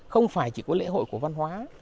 không phải chỉ có lễ hội của văn hóa